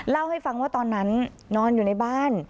เล่าให้ฟังว่าตอนนั้นนอนอยู่ในบ้าน